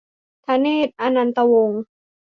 ธเนตร อนันตวงษ์